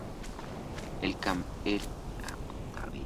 En "El Campeón", dibuja "Erik, el enigma viviente".